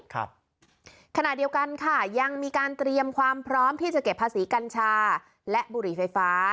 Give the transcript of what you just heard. ขณะเดียวกันค่ะยังมีการเตรียมความพร้อมที่จะเก็บภาษีกัญชาและบุหรี่ไฟฟ้า